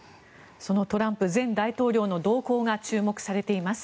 そのトランプ前大統領の動向が注目されています。